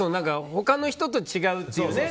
他の人と違うというね。